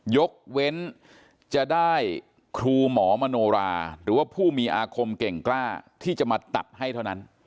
ยกเว้นจะได้ครูหมอมโนราหรือว่าผู้มีอาคมเก่งกล้าที่จะมาตัดให้เท่านั้น